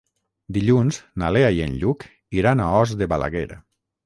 Dilluns na Lea i en Lluc iran a Os de Balaguer.